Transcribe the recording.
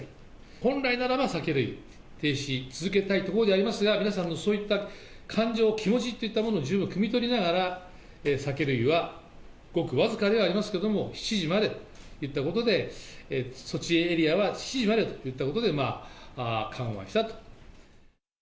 本来ならば酒類停止続けたいところでありますが、皆さんのそういった感情、気持ちっていったものを十分くみ取りながら、酒類はごく僅かではありますけれども、７時までといったことで、措置エリアは７時までといったことで、緩和したと。